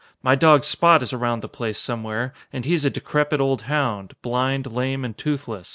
My dog Spot is around the place somewhere. And he is a decrepit old hound, blind, lame and toothless.